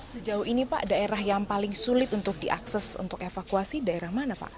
sejauh ini pak daerah yang paling sulit untuk diakses untuk evakuasi daerah mana pak